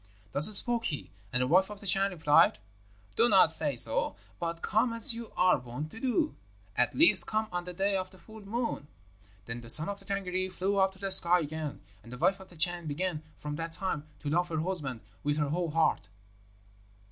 "Thus spoke he, and the wife of the Chan replied, 'Do not say so, but come as you are wont to do, at least come on the day of the full moon.' Then the son of the Tângâri flew up to the sky again, and the wife of the Chan began from that time to love her husband with her whole heart.